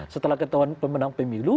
setelah ketahuan pemenang pemilu